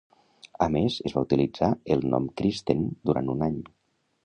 A més, es va utilitzar el nom Kristen durant un any.